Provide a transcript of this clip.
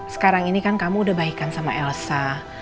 sekarang ini kan kamu udah baikan sama elsa